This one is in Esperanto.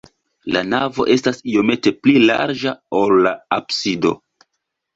La navo estas iomete pli larĝa, ol la absido.